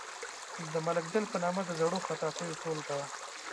د ملک دل په نامه د زړو خطاطیو ټولګه وه.